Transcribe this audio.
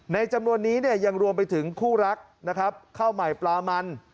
ในจำนวนนี้ยังรวมไปถึงคู่รักข้าวใหม่ปลามัน